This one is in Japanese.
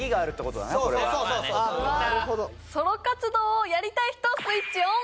これはソロ活動をやりたい人スイッチオン！